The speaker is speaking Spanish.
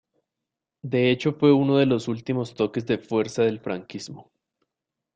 De hecho fue uno de los últimos toques de fuerza del franquismo.